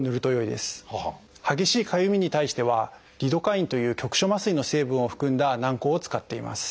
激しいかゆみに対してはリドカインという局所麻酔の成分を含んだ軟こうを使っています。